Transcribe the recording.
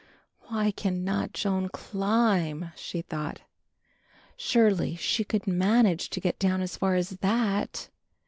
"Why cannot Joan climb?" she thought. Surely she could manage to get down as far as that?